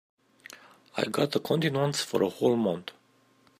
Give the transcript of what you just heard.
I got a continuance for a whole month.